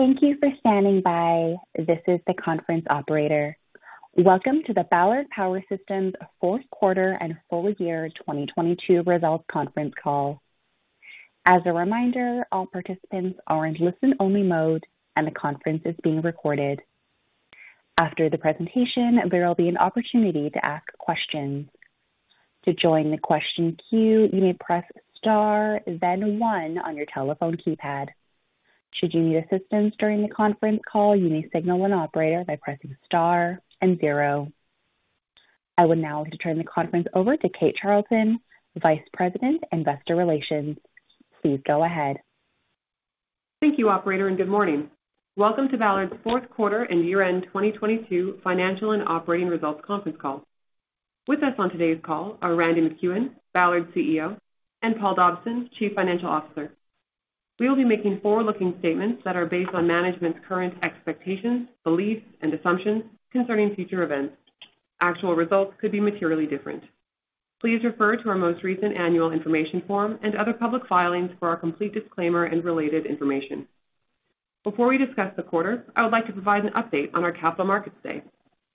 Thank you for standing by. This is the conference operator. Welcome to the Ballard Power Systems fourth quarter and full year 2022 results conference call. As a reminder, all participants are in listen-only mode, and the conference is being recorded. After the presentation, there will be an opportunity to ask questions. To join the question queue, you may press star then one on your telephone keypad. Should you need assistance during the conference call, you may signal an operator by pressing star and zero. I would now like to turn the conference over to Kate Charlton, vice president, investor relations. Please go ahead. Thank you, Operator, good morning. Welcome to Ballard's fourth quarter and year-end 2022 financial and operating results conference call. With us on today's call are Randy MacEwen, Ballard's CEO, and Paul Dobson, chief financial officer. We will be making forward-looking statements that are based on management's current expectations, beliefs, and assumptions concerning future events. Actual results could be materially different. Please refer to our most recent annual information form and other public filings for our complete disclaimer and related information. Before we discuss the quarter, I would like to provide an update on our Capital Markets Day.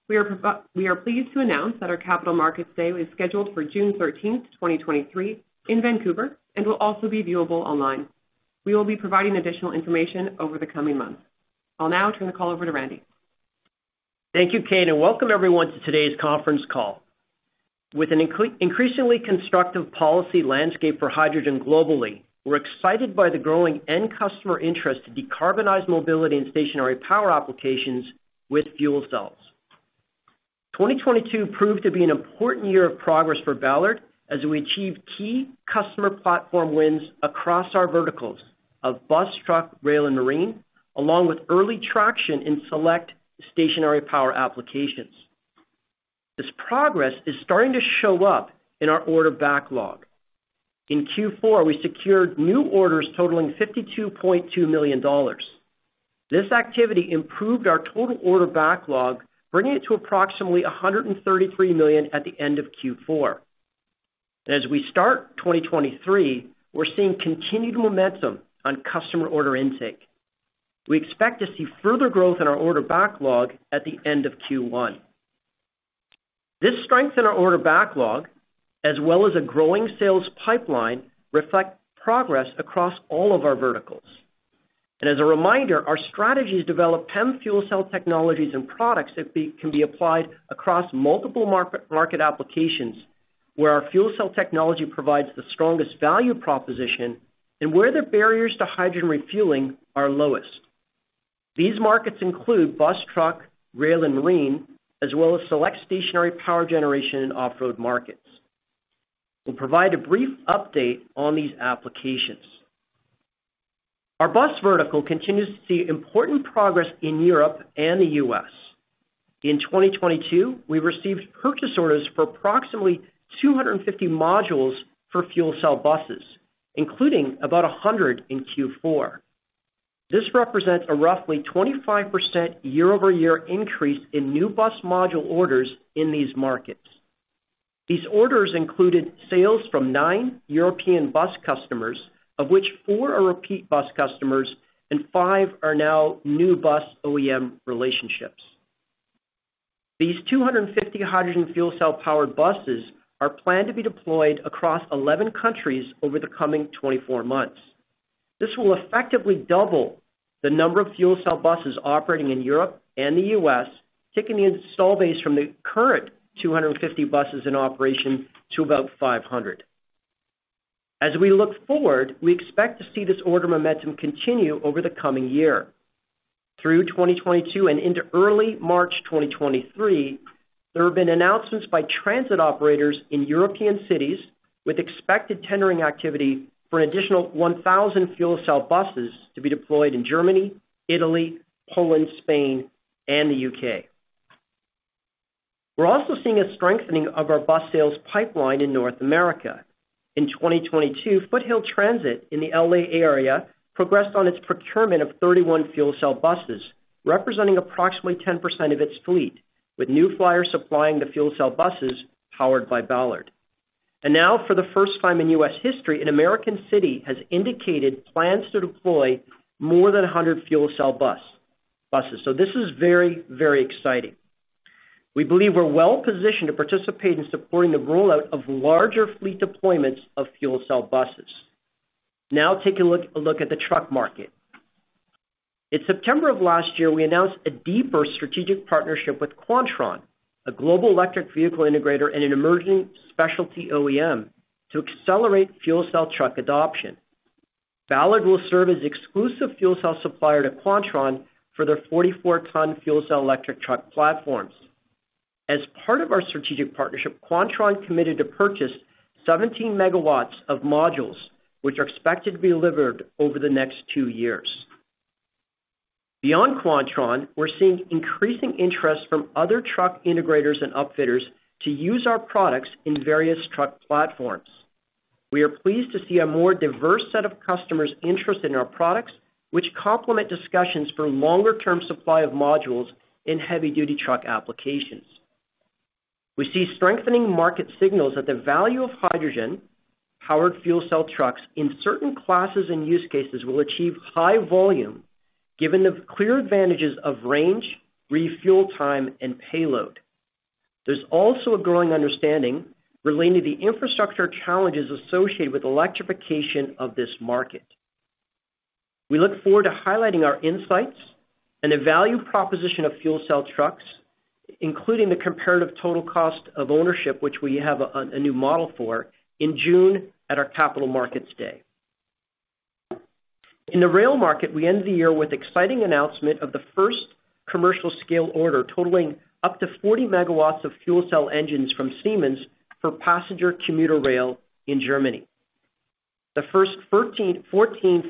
We are pleased to announce that our Capital Markets Day is scheduled for June 13th, 2023 in Vancouver and will also be viewable online. We will be providing additional information over the coming months. I'll now turn the call over to Randy. Thank you, Kate, and welcome everyone to today's conference call. With an increasingly constructive policy landscape for hydrogen globally, we're excited by the growing end customer interest to decarbonize mobility and stationary power applications with fuel cells. 2022 proved to be an important year of progress for Ballard as we achieved key customer platform wins across our verticals of bus, truck, rail, and marine, along with early traction in select stationary power applications. This progress is starting to show up in our order backlog. In Q4, we secured new orders totaling $52.2 million. This activity improved our total order backlog, bringing it to approximately $133 million at the end of Q4. As we start 2023, we're seeing continued momentum on customer order intake. We expect to see further growth in our order backlog at the end of Q1. This strength in our order backlog, as well as a growing sales pipeline, reflect progress across all of our verticals. As a reminder, our strategy is to develop PEM fuel cell technologies and products that can be applied across multiple market applications, where our fuel cell technology provides the strongest value proposition and where the barriers to hydrogen refueling are lowest. These markets include bus, truck, rail, and marine, as well as select stationary power generation and off-road markets. We'll provide a brief update on these applications. Our bus vertical continues to see important progress in Europe and the U.S. In 2022, we received purchase orders for approximately 250 modules for fuel cell buses, including about 100 in Q4. This represents a roughly 25% year-over-year increase in new bus module orders in these markets. These orders included sales from nine European bus customers, of which four are repeat bus customers and five are now new bus OEM relationships. These 250 hydrogen fuel cell-powered buses are planned to be deployed across 11 countries over the coming 24 months. This will effectively double the number of fuel cell buses operating in Europe and the US, taking the install base from the current 250 buses in operation to about 500. We expect to see this order momentum continue over the coming year. Through 2022 and into early March 2023, there have been announcements by transit operators in European cities with expected tendering activity for an additional 1,000 fuel cell buses to be deployed in Germany, Italy, Poland, Spain, and the U.K. We're also seeing a strengthening of our bus sales pipeline in North America. In 2022, Foothill Transit in the L.A. area progressed on its procurement of 31 fuel cell buses, representing approximately 10% of its fleet, with New Flyer supplying the fuel cell buses powered by Ballard. Now for the first time in U.S. history, an American city has indicated plans to deploy more than 100 fuel cell buses. So this is very, very exciting. We believe we're well positioned to participate in supporting the rollout of larger fleet deployments of fuel cell buses. Now take a look at the truck market. In September of last year, we announced a deeper strategic partnership with QUANTRON, a global electric vehicle integrator and an emerging specialty OEM, to accelerate fuel cell truck adoption. Ballard will serve as exclusive fuel cell supplier to QUANTRON for their 44 ton fuel cell electric truck platforms. As part of our strategic partnership, QUANTRON committed to purchase 17 MW of modules, which are expected to be delivered over the next two years. Beyond QUANTRON, we're seeing increasing interest from other truck integrators and upfitters to use our products in various truck platforms. We are pleased to see a more diverse set of customers interested in our products, which complement discussions for longer-term supply of modules in heavy-duty truck applications. We see strengthening market signals that the value of hydrogen powered fuel cell trucks in certain classes and use cases will achieve high volume given the clear advantages of range, refuel time, and payload. There's also a growing understanding relating to the infrastructure challenges associated with electrification of this market. We look forward to highlighting our insights and the value proposition of fuel cell trucks, including the comparative total cost of ownership, which we have a new model for in June at our Capital Markets Day. In the rail market, we ended the year with exciting announcement of the first commercial scale order totaling up to 40 MW of fuel cell engines from Siemens Mobility for passenger commuter rail in Germany. The first 14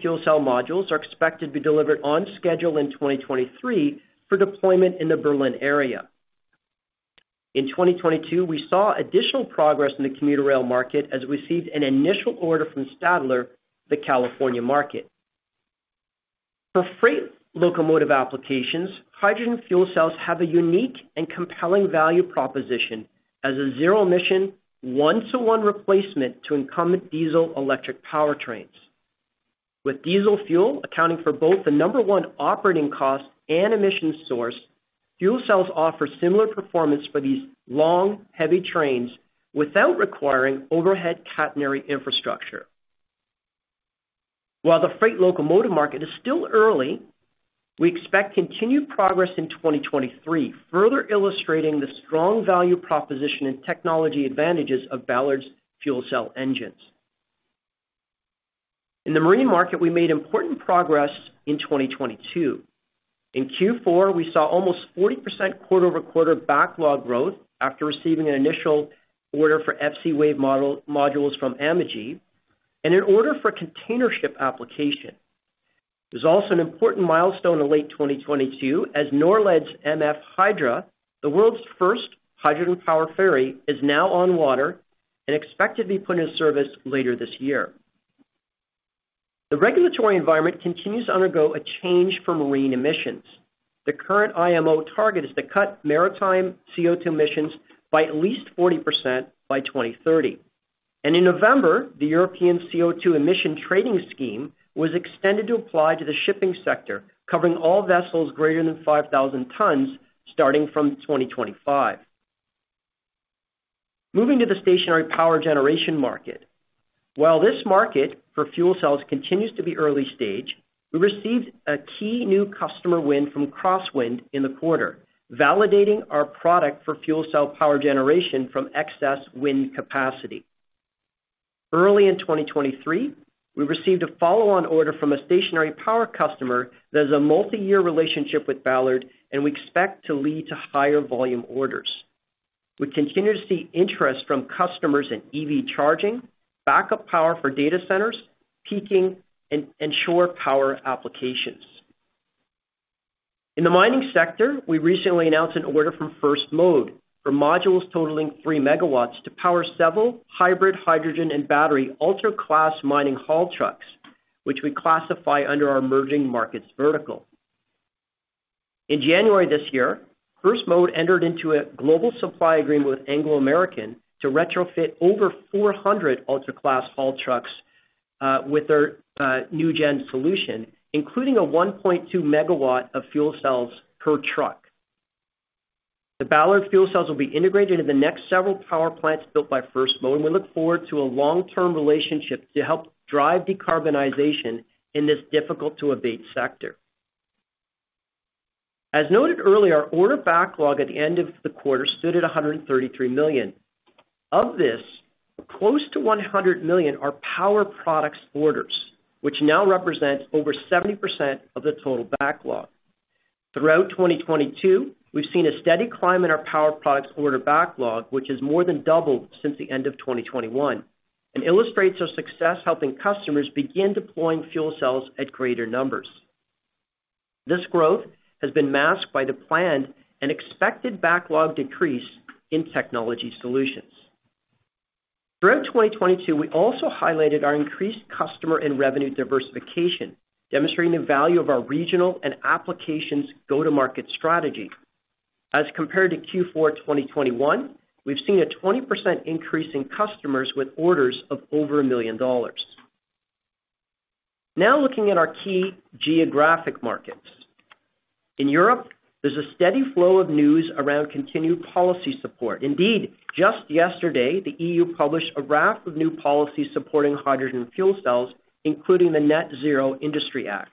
fuel cell modules are expected to be delivered on schedule in 2023 for deployment in the Berlin area. In 2022, we saw additional progress in the commuter rail market as we received an initial order from Stadler, the California market. For freight locomotive applications, hydrogen fuel cells have a unique and compelling value proposition as a zero emission, 1-to-1 replacement to incumbent diesel electric powertrains. With diesel fuel accounting for both the number one operating cost and emission source, fuel cells offer similar performance for these long, heavy trains without requiring overhead catenary infrastructure. While the freight locomotive market is still early, we expect continued progress in 2023, further illustrating the strong value proposition and technology advantages of Ballard's fuel cell engines. In the marine market, we made important progress in 2022. In Q4, we saw almost 40% quarter-over-quarter backlog growth after receiving an initial order for FCwave modules from Amogy and an order for container ship application. There's also an important milestone in late 2022 as Norled's MF Hydra, the world's first hydrogen-powered ferry, is now on water and expected to be put in service later this year. The regulatory environment continues to undergo a change for marine emissions. The current IMO target is to cut maritime CO2 emissions by at least 40% by 2030. In November, the EU Emissions Trading System was extended to apply to the shipping sector, covering all vessels greater than 5,000 tons starting from 2025. Moving to the stationary power generation market. While this market for fuel cells continues to be early stage, we received a key new customer win from CrossWind in the quarter, validating our product for fuel cell power generation from excess wind capacity. Early in 2023, we received a follow-on order from a stationary power customer that has a multi-year relationship with Ballard. We expect to lead to higher volume orders. We continue to see interest from customers in EV charging, backup power for data centers, peaking, and shore power applications. In the mining sector, we recently announced an order from First Mode for modules totaling 3 MW to power several hybrid hydrogen and battery ultra-class mining haul trucks, which we classify under our emerging markets vertical. In January this year, First Mode entered into a global supply agreement with Anglo American to retrofit over 400 ultra-class haul trucks with their new gen solution, including a 1.2 MW of fuel cells per truck. The Ballard fuel cells will be integrated into the next several power plants built by First Mode, and we look forward to a long-term relationship to help drive decarbonization in this difficult to abate sector. As noted earlier, our order backlog at the end of the quarter stood at $133 million. Of this, close to $100 million are power products orders, which now represents over 70% of the total backlog. Throughout 2022, we've seen a steady climb in our power products order backlog, which has more than doubled since the end of 2021 and illustrates our success helping customers begin deploying fuel cells at greater numbers. This growth has been masked by the planned and expected backlog decrease in technology solutions. Throughout 2022, we also highlighted our increased customer and revenue diversification, demonstrating the value of our regional and applications go-to-market strategy. As compared to Q4 2021, we've seen a 20% increase in customers with orders of over $1 million. Looking at our key geographic markets. In Europe, there's a steady flow of news around continued policy support. Indeed, just yesterday, the EU published a raft of new policies supporting hydrogen fuel cells, including the Net-Zero Industry Act.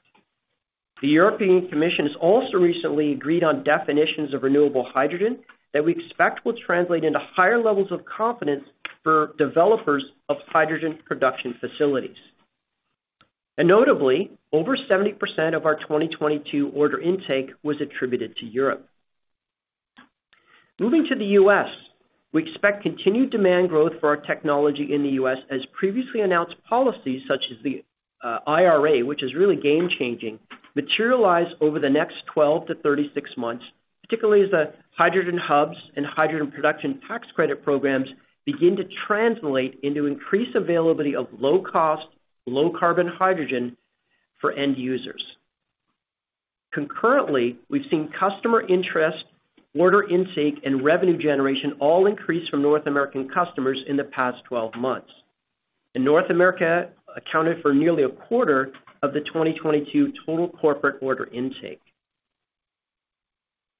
The European Commission has also recently agreed on definitions of renewable hydrogen that we expect will translate into higher levels of confidence for developers of hydrogen production facilities. Notably, over 70% of our 2022 order intake was attributed to Europe. Moving to the U.S., we expect continued demand growth for our technology in the US as previously announced policies such as the IRA, which is really game changing, materialize over the next 12 months-36 months, particularly as the hydrogen hubs and hydrogen production tax credit programs begin to translate into increased availability of low cost, low carbon hydrogen for end users. Concurrently, we've seen customer interest, order intake, and revenue generation all increase from North American customers in the past 12 months. In North America accounted for nearly a quarter of the 2022 total corporate order intake.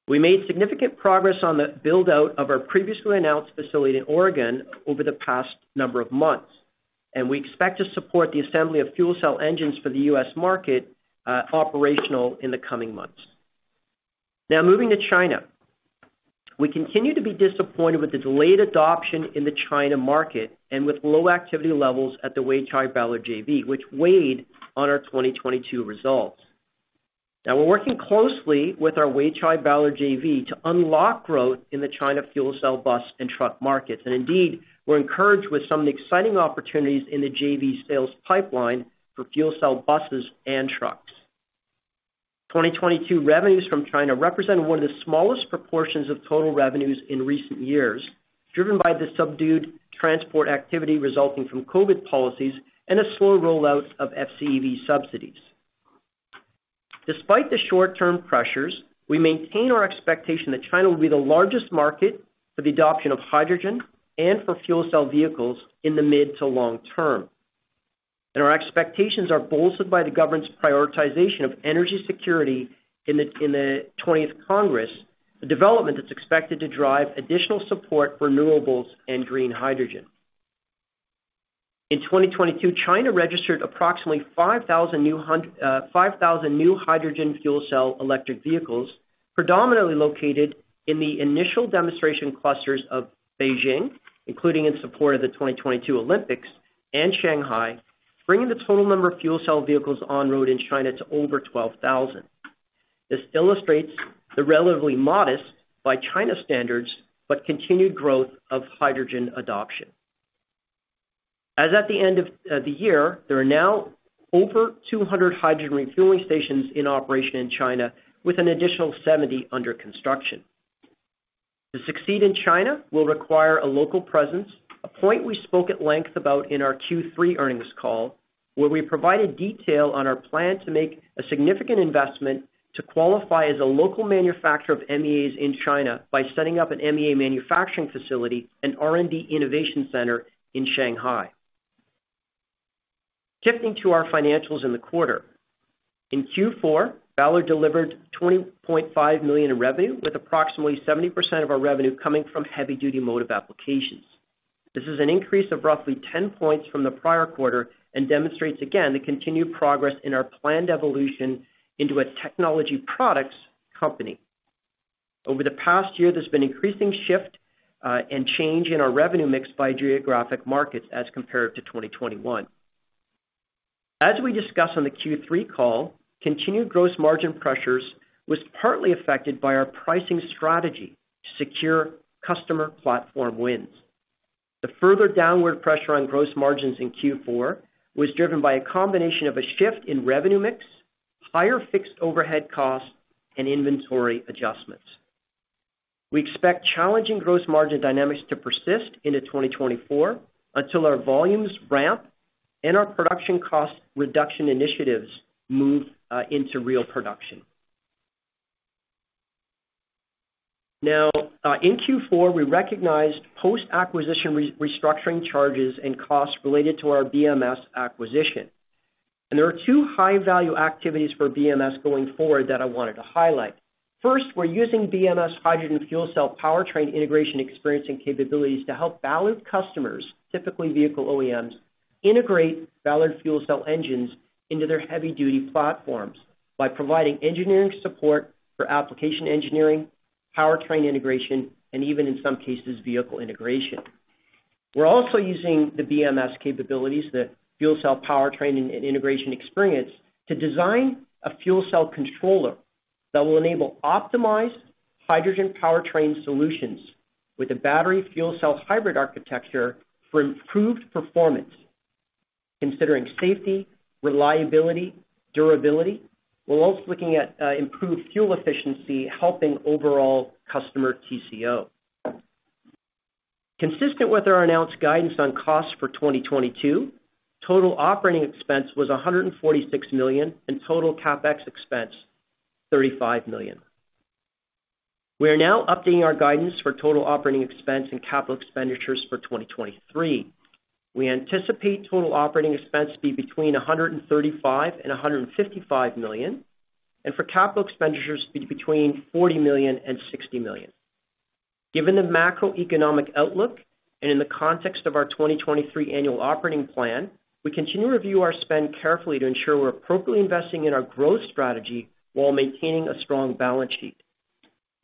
We made significant progress on the build-out of our previously announced facility in Oregon over the past number of months, and we expect to support the assembly of fuel cell engines for the US market, operational in the coming months. Moving to China. We continue to be disappointed with the delayed adoption in the China market and with low activity levels at the Weichai-Ballard JV, which weighed on our 2022 results. We're working closely with our Weichai-Ballard JV to unlock growth in the China fuel cell bus and truck markets. Indeed, we're encouraged with some of the exciting opportunities in the JV sales pipeline for fuel cell buses and trucks. 2022 revenues from China represent one of the smallest proportions of total revenues in recent years, driven by the subdued transport activity resulting from COVID policies and a slow rollout of FCEV subsidies. Despite the short-term pressures, we maintain our expectation that China will be the largest market for the adoption of hydrogen and for fuel cell vehicles in the mid to long term. Our expectations are bolstered by the government's prioritization of energy security in the 20th National Congress, a development that's expected to drive additional support for renewables and green hydrogen. In 2022, China registered approximately 5,000 new hydrogen fuel cell electric vehicles, predominantly located in the initial demonstration clusters of Beijing, including in support of the 2022 Olympics, and Shanghai, bringing the total number of fuel cell vehicles on road in China to over 12,000. This illustrates the relatively modest by China standards, but continued growth of hydrogen adoption. As at the end of the year, there are now over 200 hydrogen refueling stations in operation in China with an additional 70 under construction. To succeed in China will require a local presence, a point we spoke at length about in our Q3 earnings call, where we provided detail on our plan to make a significant investment to qualify as a local manufacturer of MEAs in China by setting up an MEA manufacturing facility and R&D innovation center in Shanghai. Tipping to our financials in the quarter. In Q4, Ballard delivered $20.5 million in revenue, with approximately 70% of our revenue coming from heavy-duty mode of applications. This is an increase of roughly 10 points from the prior quarter and demonstrates again the continued progress in our planned evolution into a technology products company. Over the past year, there's been increasing shift and change in our revenue mix by geographic markets as compared to 2021. As we discussed on the Q3 call, continued gross margin pressures was partly affected by our pricing strategy to secure customer platform wins. The further downward pressure on gross margins in Q4 was driven by a combination of a shift in revenue mix, higher fixed overhead costs, and inventory adjustments. We expect challenging gross margin dynamics to persist into 2024 until our volumes ramp and our production cost reduction initiatives move into real production. In Q4, we recognized post-acquisition restructuring charges and costs related to our BMS acquisition. There are two high-value activities for BMS going forward that I wanted to highlight. First, we're using BMS hydrogen fuel cell powertrain integration experience and capabilities to help Ballard customers, typically vehicle OEMs, integrate Ballard fuel cell engines into their heavy-duty platforms by providing engineering support for application engineering, powertrain integration, and even in some cases, vehicle integration. We're also using the BMS capabilities, the fuel cell powertrain and integration experience, to design a fuel cell controller that will enable optimized hydrogen powertrain solutions with a battery fuel cell hybrid architecture for improved performance, considering safety, reliability, durability. We're also looking at improved fuel efficiency, helping overall customer TCO. Consistent with our announced guidance on costs for 2022, total OpEx was $146 million, and total CapEx, $35 million. We are now updating our guidance for total OpEx and CapEx for 2023. We anticipate total OpEx to be between $135 million and $155 million, and for CapEx to be between $40 million and $60 million. Given the macroeconomic outlook and in the context of our 2023 annual operating plan, we continue to review our spend carefully to ensure we're appropriately investing in our growth strategy while maintaining a strong balance sheet.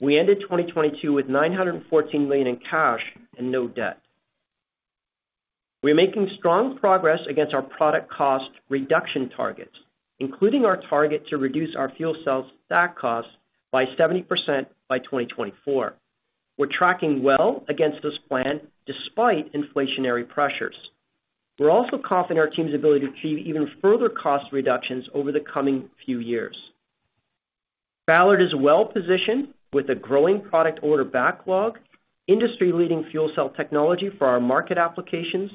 We ended 2022 with $914 million in cash and no debt. We're making strong progress against our product cost reduction targets, including our target to reduce our fuel cell stack costs by 70% by 2024. We're tracking well against this plan despite inflationary pressures. We're also confident in our team's ability to achieve even further cost reductions over the coming few years. Ballard is well-positioned with a growing product order backlog, industry-leading fuel cell technology for our market applications.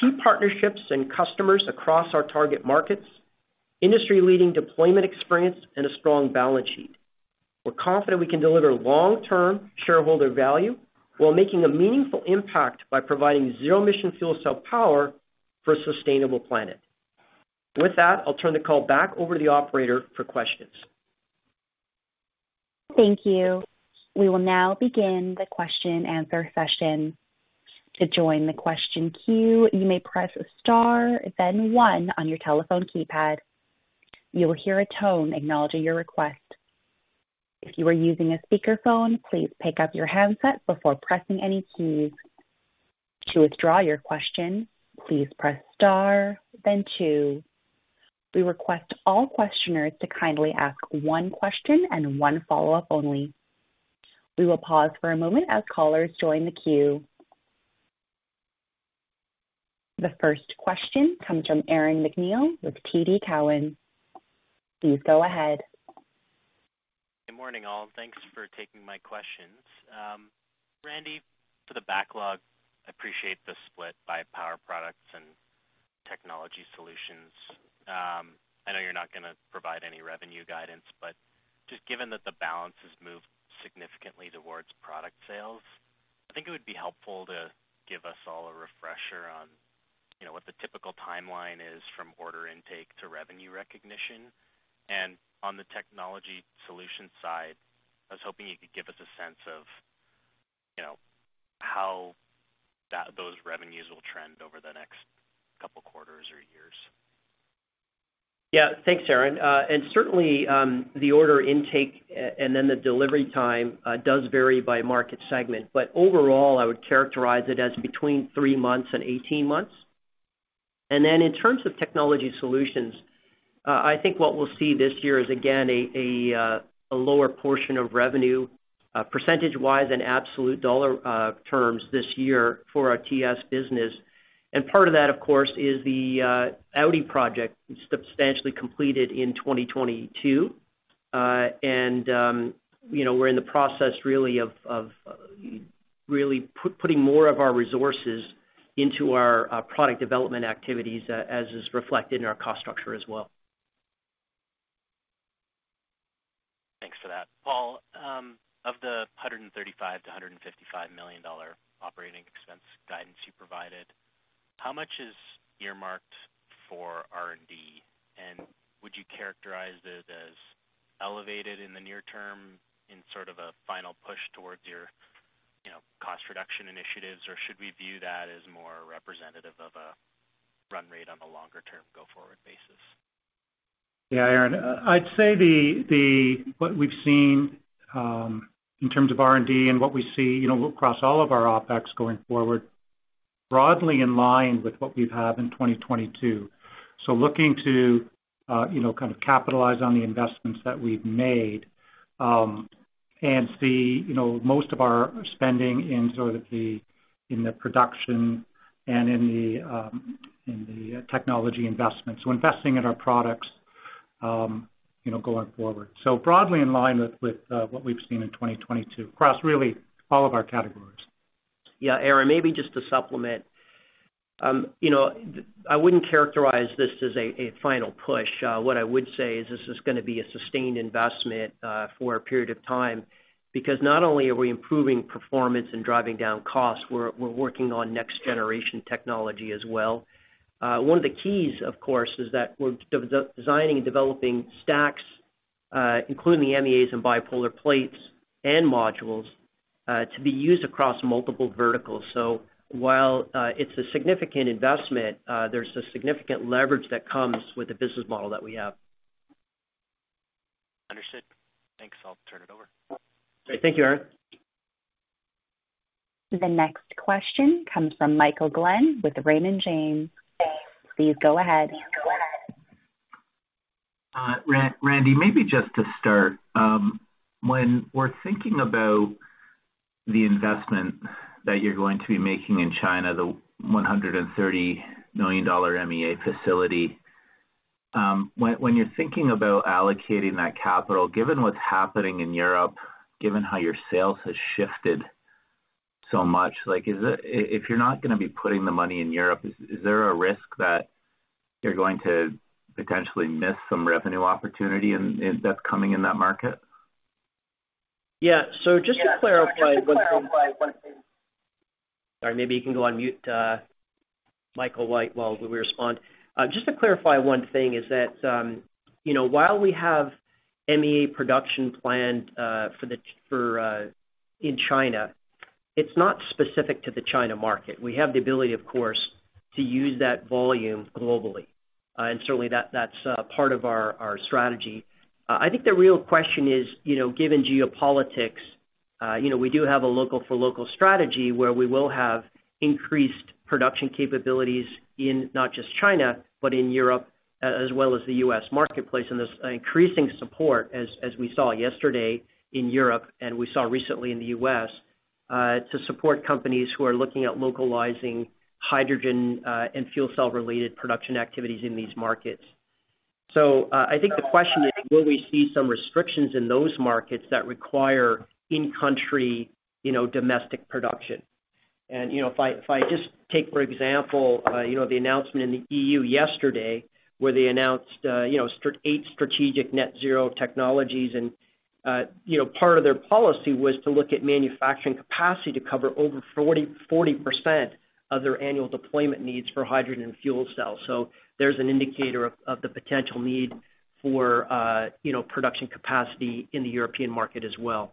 Key partnerships and customers across our target markets, industry-leading deployment experience, and a strong balance sheet. We're confident we can deliver long-term shareholder value while making a meaningful impact by providing zero emission fuel cell power for a sustainable planet. With that, I'll turn the call back over to the operator for questions. Thank you. We will now begin the question-answer session. To join the question queue, you may press star then one on your telephone keypad. You will hear a tone acknowledging your request. If you are using a speaker phone, please pick up your handset before pressing any keys. To withdraw your question, please press star then two. We request all questioners to kindly ask one question and one follow-up only. We will pause for a moment as callers join the queue. The first question comes from Aaron MacNeil with TD Cowen. Please go ahead. Good morning, all. Thanks for taking my questions. Randy, for the backlog, I appreciate the split by power products and technology solutions. I know you're not gonna provide any revenue guidance, but just given that the balance has moved significantly towards product sales, I think it would be helpful to give us all a refresher on, you know, what the typical timeline is from order intake to revenue recognition. On the technology solution side, I was hoping you could give us a sense of, you know, how those revenues will trend over the next couple quarters or years. Yeah. Thanks, Aaron. Certainly, the order intake and then the delivery time does vary by market segment. Overall, I would characterize it as between three months and 18 months. In terms of technology solutions, I think what we'll see this year is, again, a lower portion of revenue percentage-wise and absolute dollar terms this year for our TS business. Part of that, of course, is the Audi project substantially completed in 2022. You know, we're in the process really of really putting more of our resources into our product development activities as is reflected in our cost structure as well. Thanks for that. Paul, of the $135 million-$155 million OpEx guidance you provided, how much is earmarked for R&D? Would you characterize it as elevated in the near term in sort of a final push towards your, you know, cost reduction initiatives, or should we view that as more representative of a run rate on a longer term go forward basis? Yeah, Aaron, I'd say what we've seen in terms of R&D and what we see across all of our OpEx going forward, broadly in line with what we've had in 2022. Looking to kind of capitalize on the investments that we've made and see most of our spending in sort of the, in the production and in the technology investments. Investing in our products going forward. Broadly in line with what we've seen in 2022 across really all of our categories. Aaron, maybe just to supplement. You know, I wouldn't characterize this as a final push. What I would say is this is gonna be a sustained investment for a period of time because not only are we improving performance and driving down costs, we're working on next generation technology as well. One of the keys, of course, is that we're designing and developing stacks, including the MEAs and bipolar plates and modules, to be used across multiple verticals. While it's a significant investment, there's a significant leverage that comes with the business model that we have. Understood. Thanks. I'll turn it over. Thank you, Aaron. The next question comes from Michael Glen with Raymond James. Please go ahead. Randy, maybe just to start. When we're thinking about the investment that you're going to be making in China, the $130 million MEA facility, when you're thinking about allocating that capital, given what's happening in Europe, given how your sales has shifted so much, like, if you're not gonna be putting the money in Europe, is there a risk that you're going to potentially miss some revenue opportunity that's coming in that market? Yeah. Just to clarify one thing. Sorry, maybe you can go on mute, Michael, while we respond. Just to clarify one thing is that, you know, while we have MEA production planned for in China, it's not specific to the China market. We have the ability, of course, to use that volume globally. Certainly that's part of our strategy. I think the real question is, you know, given geopolitics, you know, we do have a local for local strategy where we will have increased production capabilities in not just China, but in Europe, as well as the U.S. marketplace. There's increasing support as we saw yesterday in Europe and we saw recently in the U.S. to support companies who are looking at localizing hydrogen and fuel cell-related production activities in these markets. I think the question is, will we see some restrictions in those markets that require in-country, you know, domestic production? You know, if I, if I just take, for example, you know, the announcement in the E.U. yesterday, where they announced, you know, eight strategic net zero technologies and, you know, part of their policy was to look at manufacturing capacity to cover over 40% of their annual deployment needs for hydrogen fuel cells. There's an indicator of the potential need for, you know, production capacity in the European market as well.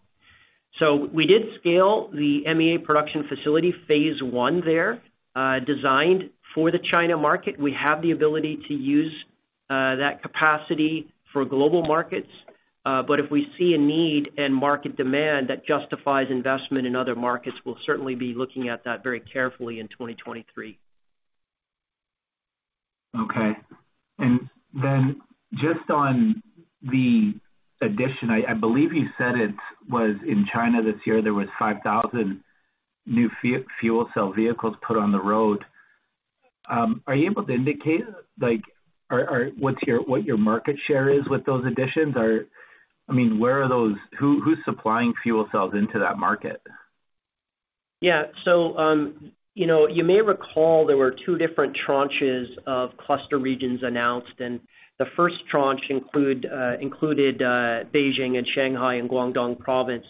We did scale the MEA production facility phase I there, designed for the China market. We have the ability to use that capacity for global markets. But if we see a need and market demand that justifies investment in other markets, we'll certainly be looking at that very carefully in 2023. Just on the addition, I believe you said it was in China this year, there was 5,000 new fuel cell vehicles put on the road. Are you able to indicate like what your market share is with those additions? I mean, where are those... who's supplying fuel cells into that market? Yeah. You know, you may recall there were two different tranches of cluster regions announced, and the first tranche included Beijing and Shanghai and Guangdong Province.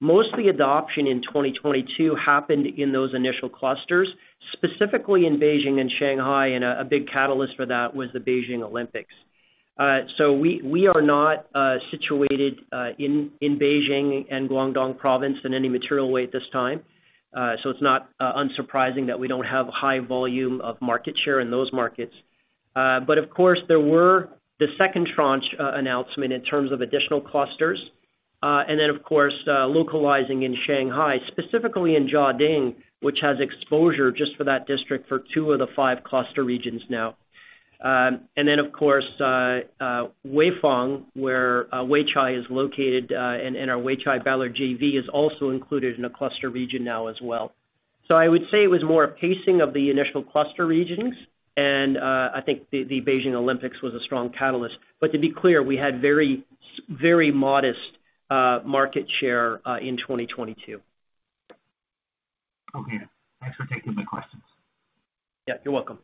Most of the adoption in 2022 happened in those initial clusters, specifically in Beijing and Shanghai, and a big catalyst for that was the Beijing Olympics. We are not situated in Beijing and Guangdong Province in any material way at this time. It's not unsurprising that we don't have high volume of market share in those markets. Of course, there were the second tranche announcement in terms of additional clusters. Of course, localizing in Shanghai, specifically in Jiading, which has exposure just for that district for two of the five cluster regions now. And then of course, Weifang, where Weichai is located, and our Weichai-Ballard JV is also included in a cluster region now as well. I would say it was more a pacing of the initial cluster regions, and I think the Beijing Olympics was a strong catalyst. To be clear, we had very modest market share in 2022. Okay. Thanks for taking my questions. Yeah, you're welcome.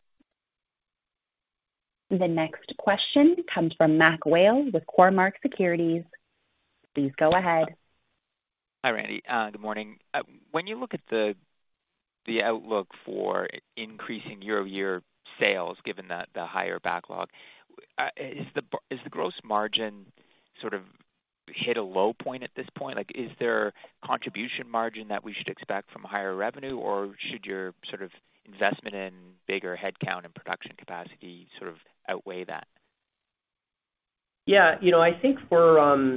The next question comes from MacMurray Whale with Cormark Securities. Please go ahead. Hi, Randy. Good morning. When you look at the outlook for increasing year-over-year sales, given the higher backlog, is the gross margin sort of hit a low point at this point? Like, is there contribution margin that we should expect from higher revenue, or should your sort of investment in bigger headcount and production capacity sort of outweigh that? You know, I think for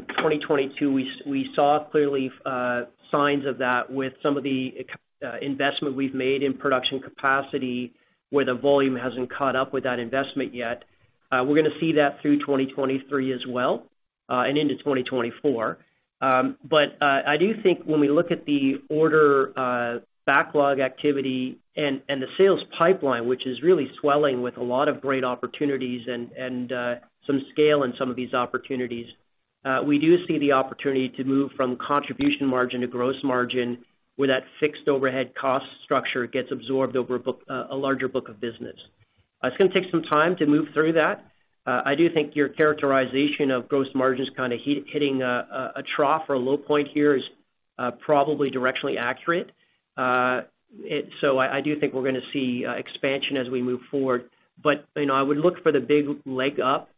2022, we saw clearly signs of that with some of the investment we've made in production capacity, where the volume hasn't caught up with that investment yet. We're gonna see that through 2023 as well, and into 2024. I do think when we look at the order backlog activity and the sales pipeline, which is really swelling with a lot of great opportunities and some scale in some of these opportunities, we do see the opportunity to move from contribution margin to gross margin, where that fixed overhead cost structure gets absorbed over a larger book of business. It's gonna take some time to move through that. I do think your characterization of gross margins kinda hitting a trough or a low point here is probably directionally accurate. I do think we're gonna see expansion as we move forward. You know, I would look for the big leg up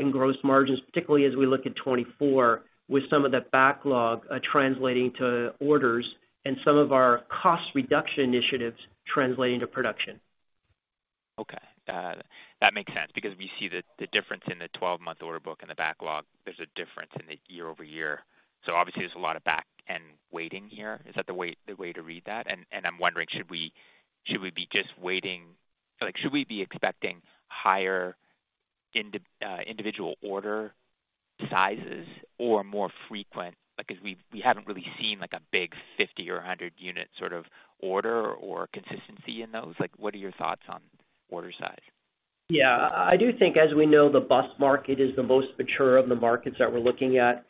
in gross margins, particularly as we look at 2024, with some of the backlog translating to orders and some of our cost reduction initiatives translating to production. Okay. That makes sense because we see the difference in the 12-month order book and the backlog, there's a difference in the year-over-year. Obviously there's a lot of back and waiting here. Is that the way to read that? I'm wondering, should we, should we be just waiting... Like, should we be expecting higher individual order sizes or more frequent? Because we haven't really seen like a big 50 or a 100 unit sort of order or consistency in those. Like, what are your thoughts on order size? Yeah. I do think, as we know, the bus market is the most mature of the markets that we're looking at.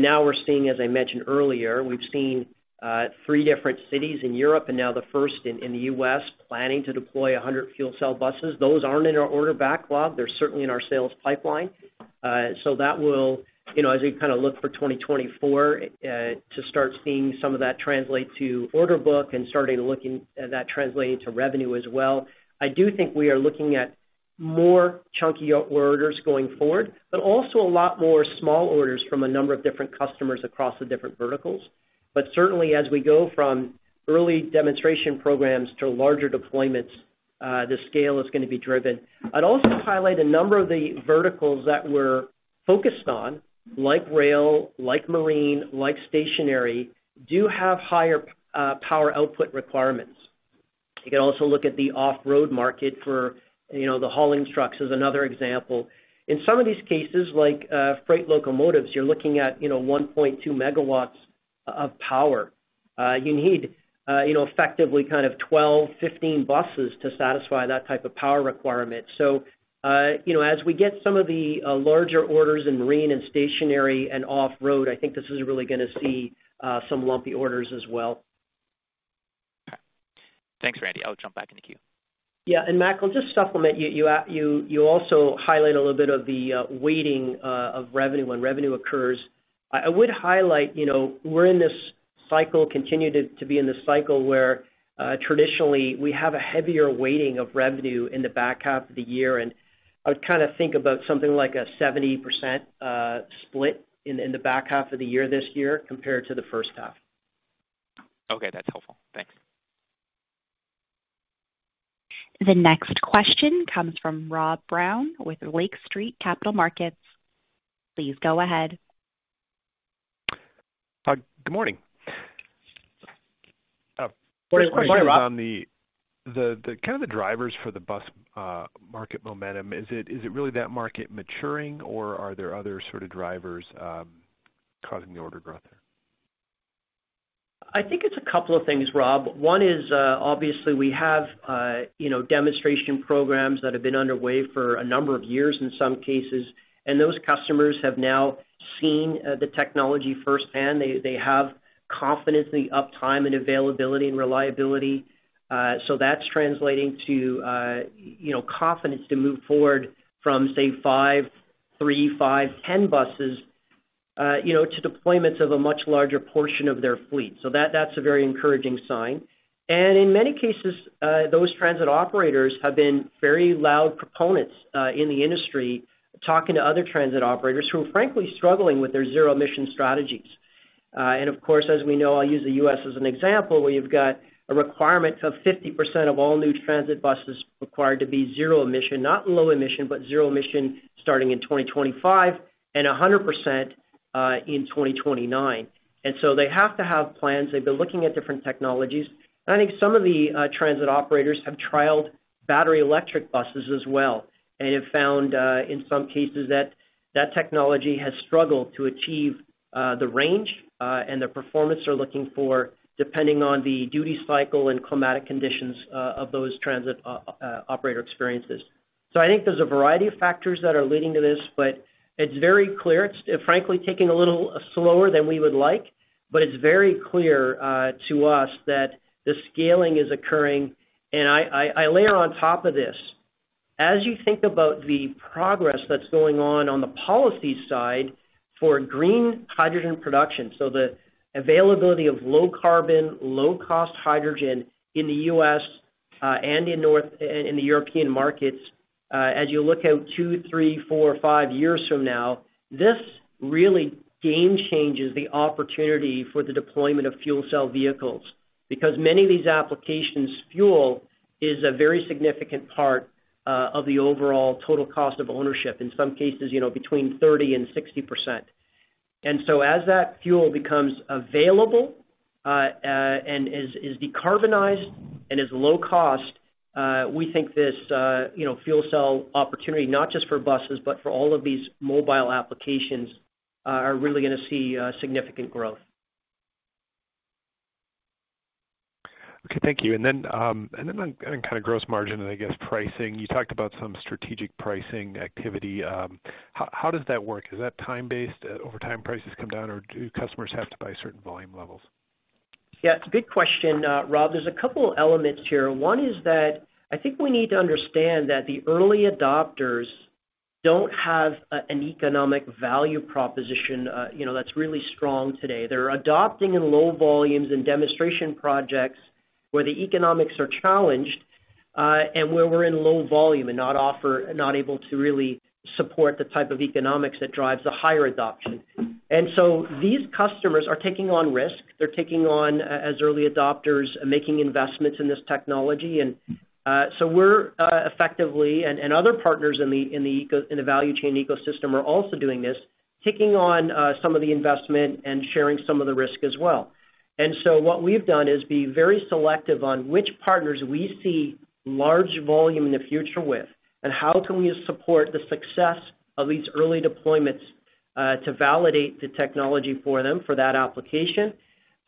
Now we're seeing, as I mentioned earlier, we've seen three different cities in Europe and now the first in the U.S. planning to deploy 100 fuel cell buses. Those aren't in our order backlog. They're certainly in our sales pipeline. That will, you know, as we kind of look for 2024 to start seeing some of that translate to order book and starting looking at that translating to revenue as well. I do think we are looking at more chunky orders going forward, but also a lot more small orders from a number of different customers across the different verticals. Certainly as we go from early demonstration programs to larger deployments, the scale is gonna be driven. I'd also highlight a number of the verticals that we're focused on, like rail, like marine, like stationary, do have higher power output requirements. You can also look at the off-road market for, you know, the hauling trucks is another example. In some of these cases, like freight locomotives, you're looking at, you know, 1.2 MW of power. You need, you know, effectively kind of 12, 15 buses to satisfy that type of power requirement. As we get some of the, you know, larger orders in marine and stationary and off-road, I think this is really gonna see some lumpy orders as well. Okay. Thanks, Randy. I'll jump back in the queue. Yeah. Mac, I'll just supplement. You also highlight a little bit of the weighting of revenue when revenue occurs. I would highlight, you know, we're in this cycle, continue to be in this cycle where traditionally we have a heavier weighting of revenue in the back half of the year. I would kind of think about something like a 70% split in the back half of the year this year compared to the first half. Okay. That's helpful. Thanks. The next question comes from Rob Brown with Lake Street Capital Markets. Please go ahead. Good morning. Good morning, Rob. First question is on the kind of the drivers for the bus, market momentum. Is it really that market maturing, or are there other sort of drivers causing the order growth there? I think it's a couple of things, Rob. One is, obviously we have, you know, demonstration programs that have been underway for a number of years in some cases, and those customers have now seen the technology firsthand. They have confidence in the uptime and availability and reliability. That's translating to, you know, confidence to move forward from, say, 5, 3, 5, 10 buses, you know, to deployments of a much larger portion of their fleet. That's a very encouraging sign. In many cases, those transit operators have been very loud proponents in the industry, talking to other transit operators who are frankly struggling with their zero-emission strategies. Of course, as we know, I'll use the U.S. As an example, where you've got a requirement of 50% of all new transit buses required to be zero-emission, not low-emission, but zero-emission, starting in 2025, and 100% in 2029. They have to have plans. They've been looking at different technologies. I think some of the transit operators have trialed battery electric buses as well and have found in some cases that that technology has struggled to achieve the range and the performance they're looking for, depending on the duty cycle and climatic conditions of those transit operator experiences. I think there's a variety of factors that are leading to this, but it's very clear. It's frankly taking a little slower than we would like, but it's very clear to us that the scaling is occurring. I layer on top of this, as you think about the progress that's going on on the policy side for green hydrogen production, so the availability of low carbon, low cost hydrogen in the U.S., and in the European markets, as you look out two, three, four, five years from now, this really game changes the opportunity for the deployment of fuel cell vehicles. Many of these applications, fuel is a very significant part of the overall total cost of ownership, in some cases, you know, between 30% and 60%. As that fuel becomes available, and is decarbonized and is low cost, we think this, you know, fuel cell opportunity, not just for buses, but for all of these mobile applications, are really gonna see, significant growth. Okay. Thank you. On kind of gross margin and I guess pricing, you talked about some strategic pricing activity. How does that work? Is that time-based, over time prices come down, or do customers have to buy certain volume levels? Yeah, it's a good question, Rob. There's a couple elements here. One is that I think we need to understand that the early adopters don't have an economic value proposition, you know, that's really strong today. They're adopting in low volumes and demonstration projects where the economics are challenged, and where we're in low volume and not able to really support the type of economics that drives the higher adoption. These customers are taking on risk. They're taking on, as early adopters, making investments in this technology. So we're, effectively, and other partners in the value chain ecosystem are also doing this, taking on, some of the investment and sharing some of the risk as well. What we've done is be very selective on which partners we see large volume in the future with and how can we support the success of these early deployments to validate the technology for them, for that application,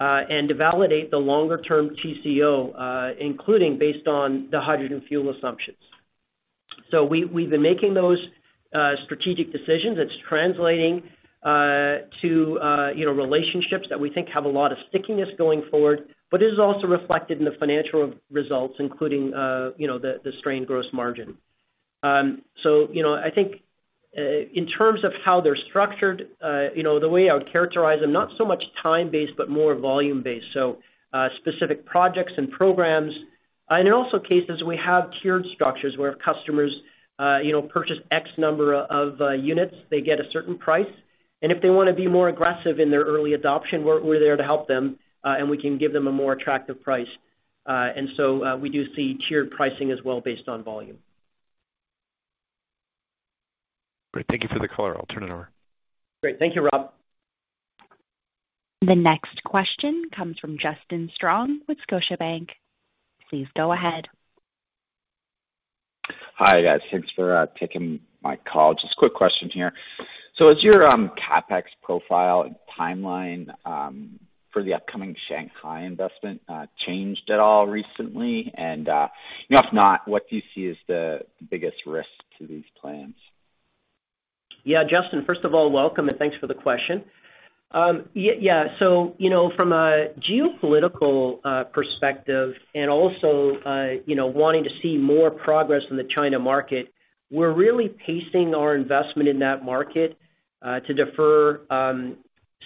and to validate the longer-term TCO, including based on the hydrogen fuel assumptions. We've been making those strategic decisions. It's translating to, you know, relationships that we think have a lot of stickiness going forward, but it is also reflected in the financial results, including, you know, the strained gross margin. You know, I think in terms of how they're structured, you know, the way I would characterize them, not so much time-based, but more volume-based, specific projects and programs. In also cases, we have tiered structures where if customers, you know, purchase X number of units, they get a certain price. If they wanna be more aggressive in their early adoption, we're there to help them, and we can give them a more attractive price. We do see tiered pricing as well based on volume. Great. Thank you for the color. I'll turn it over. Great. Thank you, Rob. The next question comes from Justin Strong with Scotiabank. Please go ahead. Hi, guys. Thanks for taking my call. Just quick question here. Has your CapEx profile timeline for the upcoming Shanghai investment changed at all recently? If not, what do you see as the biggest risk to these plans? Yeah, Justin, first of all, welcome, and thanks for the question. You know, from a geopolitical perspective and also, you know, wanting to see more progress in the China market, we're really pacing our investment in that market to defer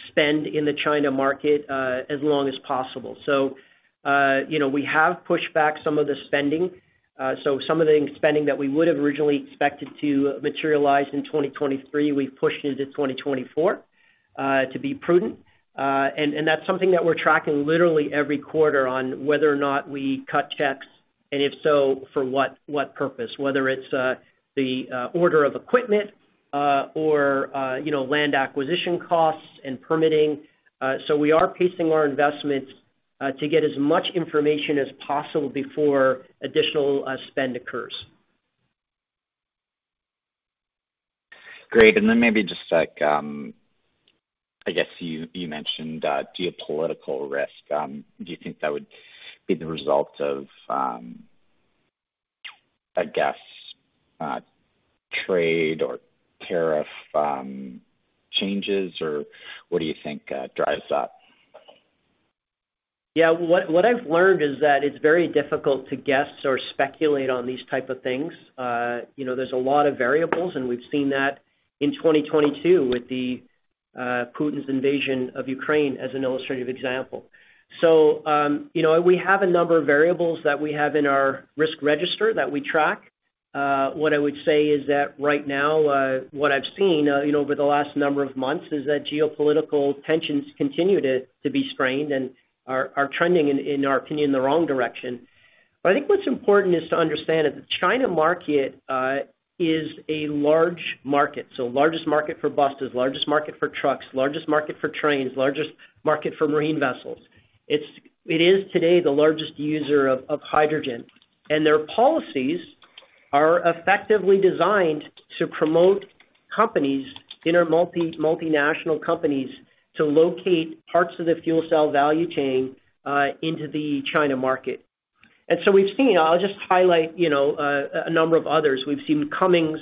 spend in the China market as long as possible. You know, we have pushed back some of the spending. Some of the spending that we would have originally expected to materialize in 2023, we've pushed into 2024 to be prudent. And that's something that we're tracking literally every quarter on whether or not we cut checks, and if so, for what purpose, whether it's the order of equipment, or, you know, land acquisition costs and permitting. We are pacing our investments, to get as much information as possible before additional, spend occurs. Great. Then maybe just like, I guess you mentioned geopolitical risk. Do you think that would be the result of, I guess, trade or tariff changes? What do you think drives that? Yeah. What I've learned is that it's very difficult to guess or speculate on these type of things. you know, there's a lot of variables, and we've seen that in 2022 with the Putin's invasion of Ukraine as an illustrative example. you know, we have a number of variables that we have in our risk register that we track. What I would say is that right now, what I've seen, you know, over the last number of months is that geopolitical tensions continue to be strained and are trending in our opinion, the wrong direction. I think what's important is to understand that the China market is a large market, so largest market for buses, largest market for trucks, largest market for trains, largest market for marine vessels. It is today the largest user of hydrogen, and their policies are effectively designed to promote companies in our multinational companies to locate parts of the fuel cell value chain into the China market. We've seen, I'll just highlight, you know, a number of others. We've seen Cummins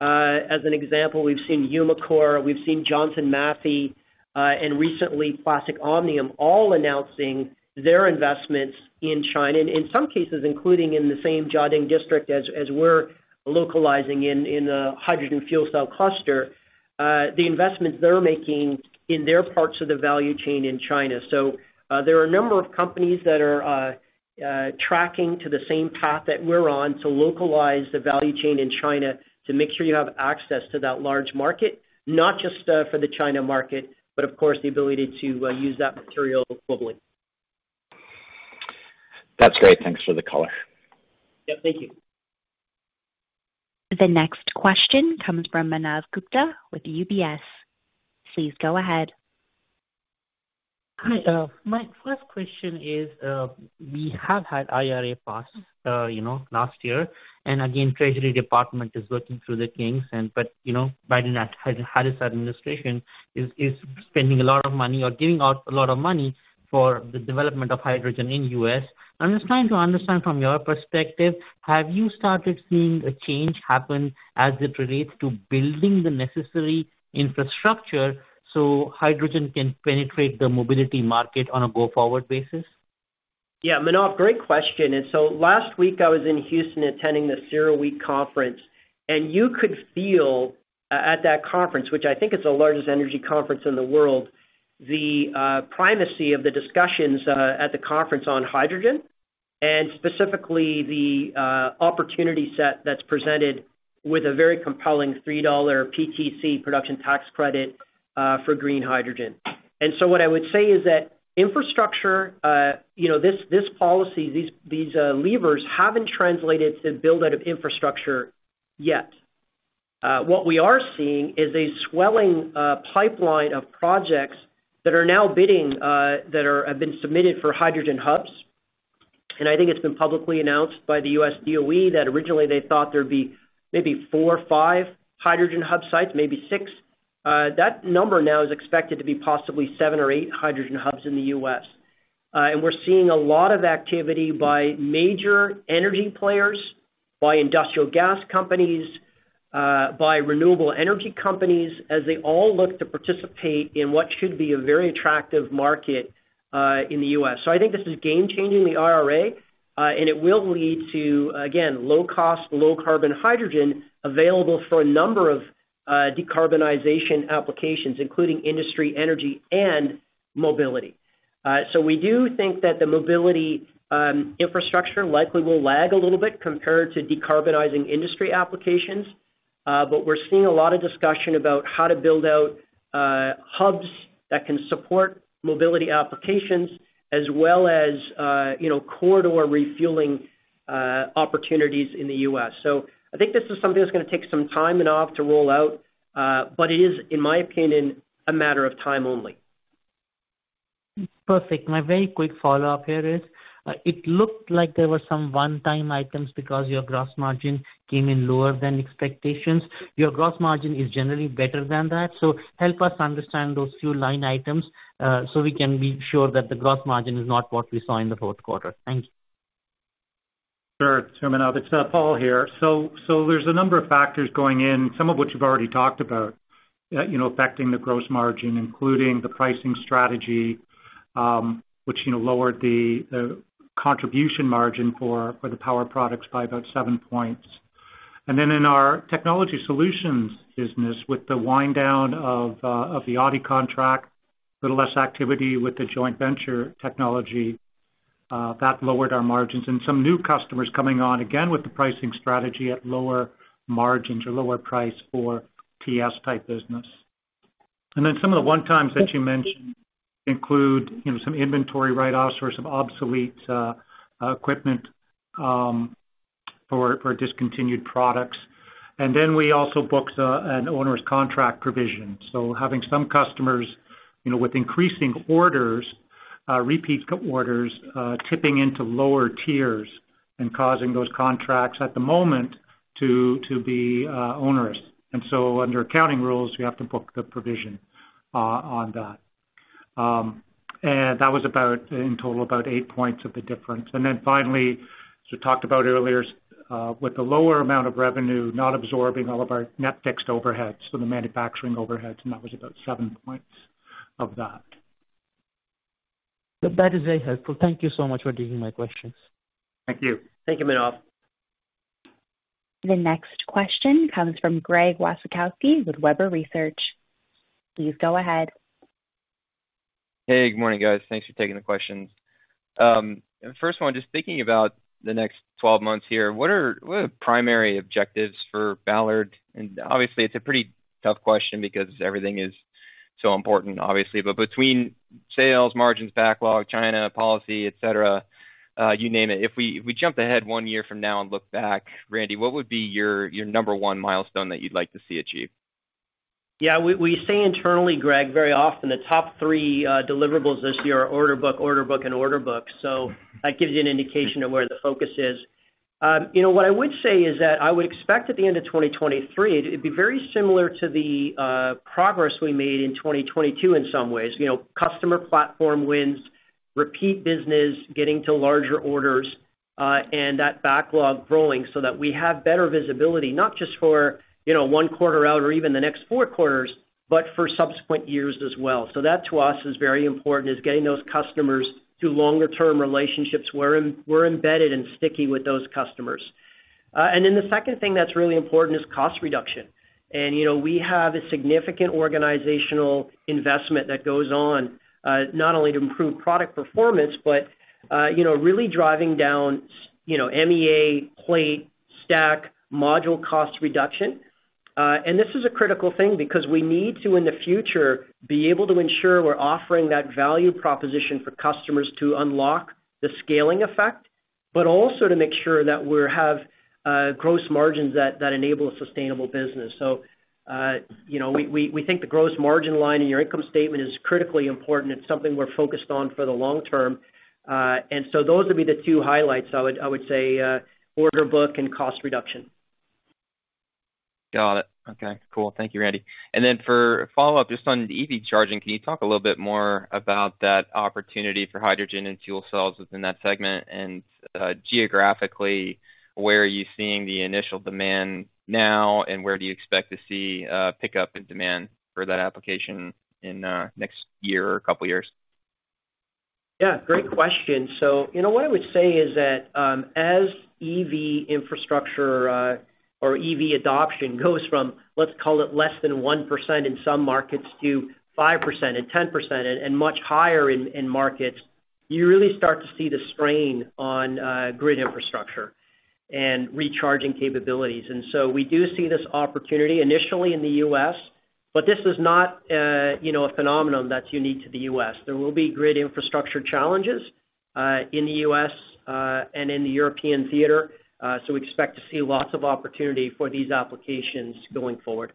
as an example. We've seen Umicore. We've seen Johnson Matthey and recently Plastic Omnium all announcing their investments in China, and in some cases, including in the same Jiading District as we're localizing in the hydrogen fuel cell cluster, the investments they're making in their parts of the value chain in China. There are a number of companies that are tracking to the same path that we're on to localize the value chain in China to make sure you have access to that large market, not just for the China market, but of course, the ability to use that material globally. That's great. Thanks for the color. Yeah. Thank you. The next question comes from Manav Gupta with UBS. Please go ahead. Hi. My first question is, we have had IRA pass, you know, last year, and again, Treasury Department is working through the things, but, you know, Biden, Harris administration is spending a lot of money or giving out a lot of money for the development of hydrogen in U.S. I'm just trying to understand from your perspective, have you started seeing a change happen as it relates to building the necessary infrastructure so hydrogen can penetrate the mobility market on a go-forward basis? Yeah. Manav, great question. Last week I was in Houston attending the CERAWeek Conference, and you could feel at that conference, which I think is the largest energy conference in the world, the primacy of the discussions at the conference on hydrogen, and specifically the opportunity set that's presented with a very compelling $3 PTC production tax credit for green hydrogen. What I would say is that infrastructure, you know, this policy, these levers haven't translated to build out of infrastructure yet. What we are seeing is a swelling pipeline of projects that have been submitted for hydrogen hubs. I think it's been publicly announced by the US DOE that originally they thought there'd be maybe four or five hydrogen hub sites, maybe six. That number now is expected to be possibly seven or eight hydrogen hubs in the U.S. We're seeing a lot of activity by major energy players, by industrial gas companies, by renewable energy companies as they all look to participate in what should be a very attractive market in the U.S. I think this is game-changing, the IRA, and it will lead to, again, low cost, low carbon hydrogen available for a number of decarbonization applications, including industry, energy, and mobility. We do think that the mobility infrastructure likely will lag a little bit compared to decarbonizing industry applications. We're seeing a lot of discussion about how to build out hubs that can support mobility applications as well as, you know, corridor refueling opportunities in the U.S. I think this is something that's gonna take some time, Manav, to roll out, but it is, in my opinion, a matter of time only. Perfect. My very quick follow-up here is, it looked like there were some one-time items because your gross margin came in lower than expectations. Your gross margin is generally better than that. Help us understand those few line items, so we can be sure that the gross margin is not what we saw in the fourth quarter. Thank you. Sure, Manav. It's Paul here. There's a number of factors going in, some of which you've already talked about, you know, affecting the gross margin, including the pricing strategy, which, you know, lowered the contribution margin for the Power products by about 7 points. In our Technology Solutions business, with the wind down of the Audi contract, a little less activity with the joint venture technology, that lowered our margins. Some new customers coming on, again with the pricing strategy at lower margins or lower price for TS type business. Some of the one times that you mentioned include, you know, some inventory write-offs or some obsolete equipment, for discontinued products. We also booked an owner's contract provision. Having some customers, you know, with increasing orders, repeat orders, tipping into lower tiers and causing those contracts at the moment to be onerous. Under accounting rules, we have to book the provision on that. That was about in total, about eight points of the difference. Finally, as we talked about earlier, with the lower amount of revenue not absorbing all of our net fixed overheads, so the manufacturing overheads, and that was about seven points of that. That is very helpful. Thank you so much for taking my questions. Thank you. Thank you, Manav. The next question comes from Greg Wasikowski with Webber Research. Please go ahead. Hey, good morning, guys. Thanks for taking the questions. First one, just thinking about the next 12 months here, what are primary objectives for Ballard? Obviously, it's a pretty tough question because everything is so important obviously. Between sales, margins, backlog, China policy, et cetera, you name it, if we jump ahead one year from now and look back, Randy, what would be your number one milestone that you'd like to see achieved? Yeah, we say internally, Greg, very often the top three deliverables this year are order book, order book and order book. That gives you an indication of where the focus is. You know, what I would say is that I would expect at the end of 2023, it'd be very similar to the progress we made in 2022 in some ways. You know, customer platform wins, repeat business, getting to larger orders, and that backlog growing so that we have better visibility, not just for, you know, 1 quarter out or even the next 4 quarters, but for subsequent years as well. That to us is very important, is getting those customers to longer term relationships where we're embedded and sticky with those customers. The second thing that's really important is cost reduction. You know, we have a significant organizational investment that goes on, not only to improve product performance, but, you know, really driving down MEA, plate, stack, module cost reduction. This is a critical thing because we need to, in the future, be able to ensure we're offering that value proposition for customers to unlock the scaling effect, but also to make sure that we're have gross margins that enable a sustainable business. You know, we think the gross margin line in your income statement is critically important. It's something we're focused on for the long term. Those would be the two highlights I would say, order book and cost reduction. Got it. Okay, cool. Thank you, Randy. For follow-up, just on EV charging, can you talk a little bit more about that opportunity for hydrogen and fuel cells within that segment? Geographically, where are you seeing the initial demand now, and where do you expect to see pickup in demand for that application in next year or couple years? Yeah, great question. You know, what I would say is that, as EV infrastructure, or EV adoption goes from, let's call it less than 1% in some markets to 5% and 10% and much higher in markets, you really start to see the strain on, grid infrastructure and recharging capabilities. We do see this opportunity initially in the US, but this is not, you know, a phenomenon that's unique to the US. There will be grid infrastructure challenges, in the US, and in the European theater. We expect to see lots of opportunity for these applications going forward.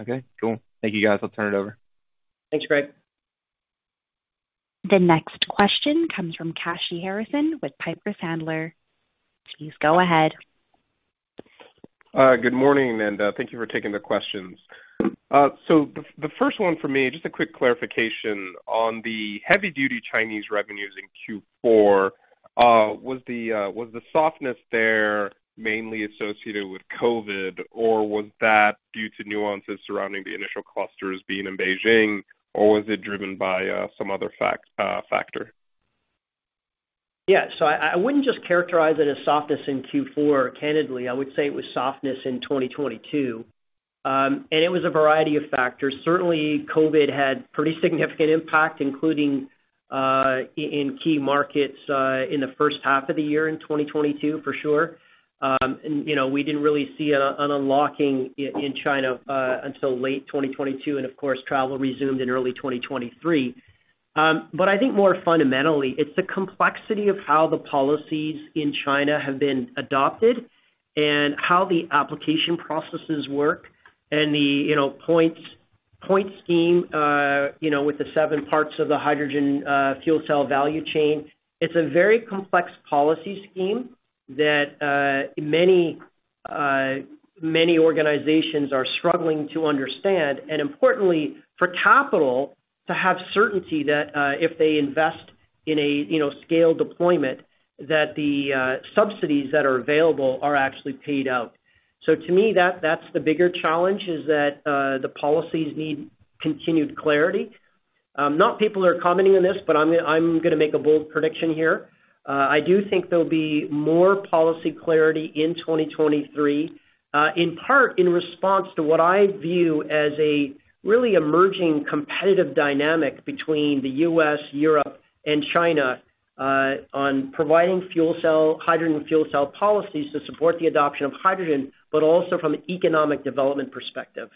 Okay, cool. Thank you, guys. I'll turn it over. Thanks, Greg. The next question comes from Kashy Harrison with Piper Sandler. Please go ahead. Good morning, and thank you for taking the questions. The first one for me, just a quick clarification on the heavy-duty Chinese revenues in Q4, was the softness there mainly associated with COVID, or was that due to nuances surrounding the initial clusters being in Beijing, or was it driven by some other factor? Yeah. I wouldn't just characterize it as softness in Q4. Candidly, I would say it was softness in 2022. It was a variety of factors. Certainly COVID had pretty significant impact, including in key markets in the first half of the year in 2022, for sure. You know, we didn't really see an unlocking in China until late 2022, and of course, travel resumed in early 2023. I think more fundamentally, it's the complexity of how the policies in China have been adopted and how the application processes work and the, you know, point scheme, you know, with the seven parts of the hydrogen fuel cell value chain. It's a very complex policy scheme that many organizations are struggling to understand, and importantly, for capital to have certainty that if they invest in a, you know, scaled deployment, that the subsidies that are available are actually paid out. To me, that's the bigger challenge, is that the policies need continued clarity. Not people are commenting on this, but I'm gonna make a bold prediction here. I do think there'll be more policy clarity in 2023, in part in response to what I view as a really emerging competitive dynamic between the U.S., Europe, and China on providing hydrogen fuel cell policies to support the adoption of hydrogen, but also from an economic development perspective.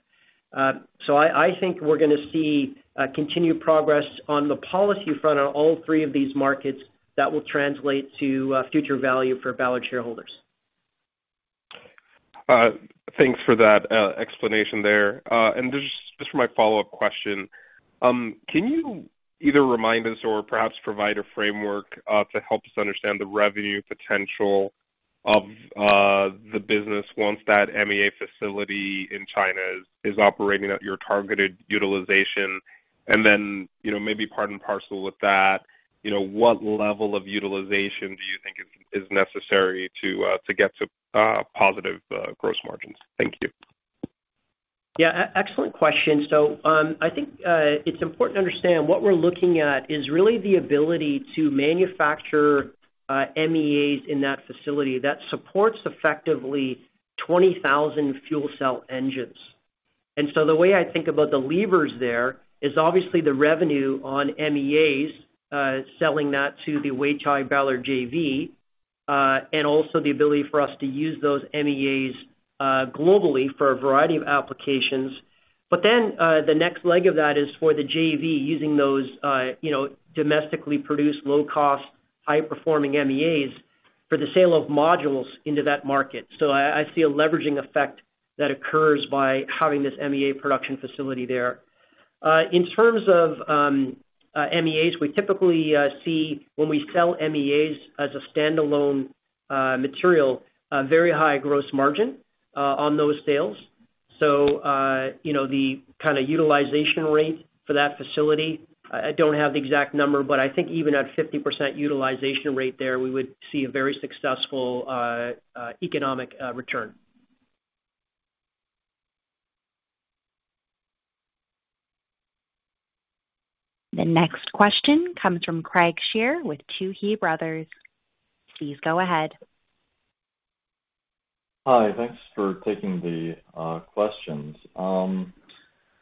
I think we're gonna see continued progress on the policy front on all three of these markets that will translate to future value for Ballard shareholders. Thanks for that explanation there. Just for my follow-up question, can you either remind us or perhaps provide a framework to help us understand the revenue potential of the business once that MEA facility in China is operating at your targeted utilization? Then, you know, maybe part and parcel with that, you know, what level of utilization do you think is necessary to get to positive gross margins? Thank you. Yeah, excellent question. I think it's important to understand what we're looking at is really the ability to manufacture MEAs in that facility that supports effectively 20,000 fuel cell engines. The way I think about the levers there is obviously the revenue on MEAs, selling that to the Weichai-Ballard JV, and also the ability for us to use those MEAs globally for a variety of applications. The next leg of that is for the JV using those, you know, domestically produced low cost, high performing MEAs for the sale of modules into that market. I see a leveraging effect that occurs by having this MEA production facility there. In terms of MEAs, we typically see when we sell MEAs as a standalone material, a very high gross margin on those sales. You know, the kinda utilization rate for that facility, I don't have the exact number, but I think even at 50% utilization rate there, we would see a very successful economic return. The next question comes from Craig Shere with Tuohy Brothers. Please go ahead. Hi. Thanks for taking the questions.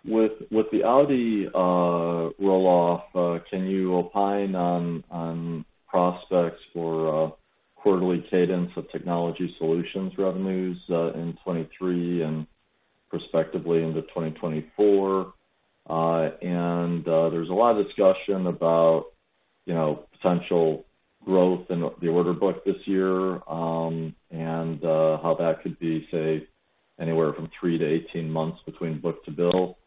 With the Audi roll-off, can you opine on prospects for quarterly cadence of technology solutions revenues in 23 and prospectively into 2024? There's a lot of discussion about, you know, potential growth in the order book this year, and how that could be, say, anywhere from 3-18 months between book to bill.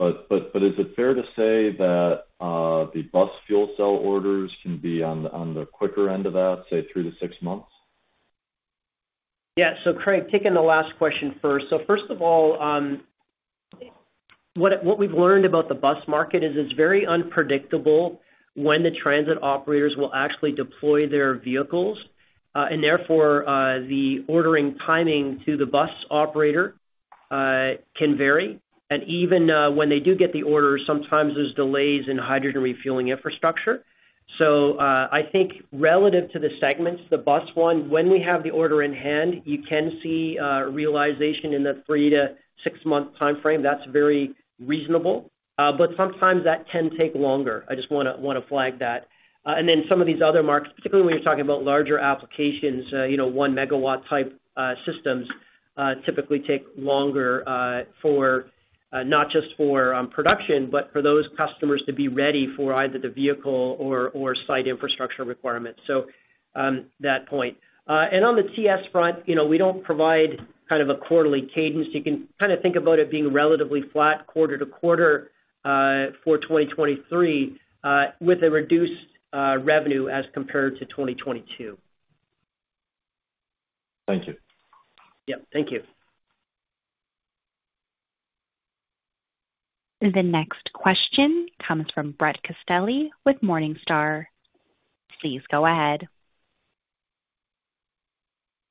Is it fair to say that the bus fuel cell orders can be on the quicker end of that, say 3-6 months? Yeah. Craig, taking the last question first. First of all, what we've learned about the bus market is it's very unpredictable when the transit operators will actually deploy their vehicles, therefore, the ordering timing to the bus operator, can vary. Even, when they do get the order, sometimes there's delays in hydrogen refueling infrastructure. I think relative to the segments, the bus one, when we have the order in hand, you can see, realization in the three to six-month timeframe. That's very reasonable. Sometimes that can take longer. I just wanna flag that. Some of these other markets, particularly when you're talking about larger applications, you know, 1 MW type systems typically take longer for not just for production, but for those customers to be ready for either the vehicle or site infrastructure requirements. That point. On the TS front, you know, we don't provide kind of a quarterly cadence. You can kinda think about it being relatively flat quarter to quarter for 2023 with a reduced revenue as compared to 2022. Thank you. Yep. Thank you. The next question comes from Brett Castelli with Morningstar. Please go ahead.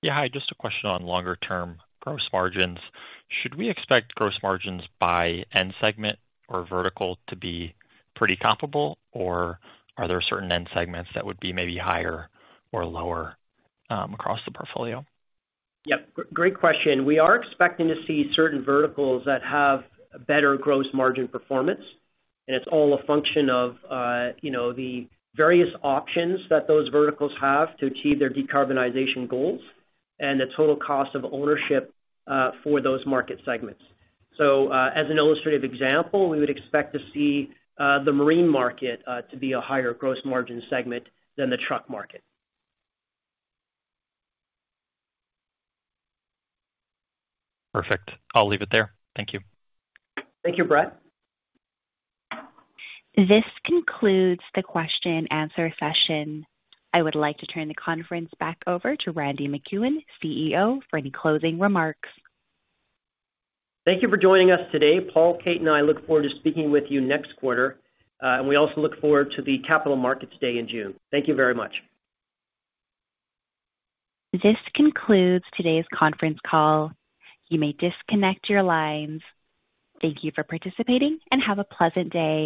Yeah. Hi. Just a question on longer term gross margins. Should we expect gross margins by end segment or vertical to be pretty comparable, or are there certain end segments that would be maybe higher or lower, across the portfolio? Yep. Great question. We are expecting to see certain verticals that have better gross margin performance, and it's all a function of, you know, the various options that those verticals have to achieve their decarbonization goals and the total cost of ownership for those market segments. As an illustrative example, we would expect to see the marine market to be a higher gross margin segment than the truck market. Perfect. I'll leave it there. Thank you. Thank you, Brett. This concludes the question/answer session. I would like to turn the conference back over to Randy MacEwen, CEO, for any closing remarks. Thank you for joining us today. Paul, Kate, and I look forward to speaking with you next quarter, and we also look forward to the Capital Markets Day in June. Thank you very much. This concludes today's conference call. You may disconnect your lines. Thank you for participating, and have a pleasant day.